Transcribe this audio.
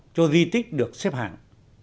cho di tích được xếp hạng